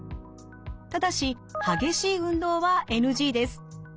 ただし激しい運動はＮＧです。